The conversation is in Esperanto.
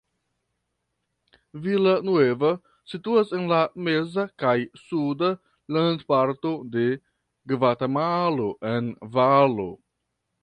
Villa Nueva situas en la meza kaj suda landparto de Gvatemalo en valo.